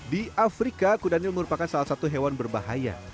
di afrika kudanil merupakan salah satu hewan berbahaya